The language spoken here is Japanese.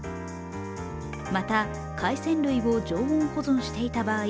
また海鮮類を常温保存していた場合